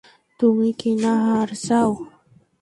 তুমি কি-না হার চাও?